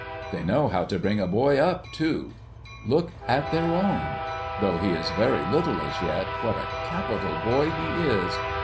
They know how to bring a boy up, too. Look at their own ! Though he is very little as yet, what a capital boy he is